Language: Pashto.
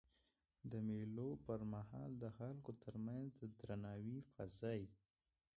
د مېلو پر مهال د خلکو ترمنځ د درناوي فضا يي.